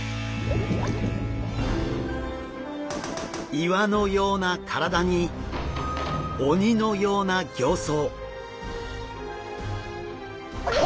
岩のような体に鬼のような形相。